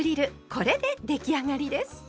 これで出来上がりです。